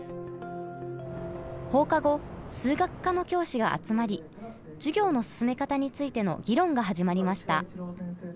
放課後数学科の教師が集まり授業の進め方についての議論が始まりました。